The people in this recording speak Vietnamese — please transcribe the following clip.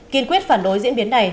kiên quyết phản đối diễn biến này